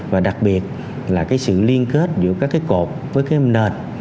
và đặc biệt là sự liên kết giữa các cột với nền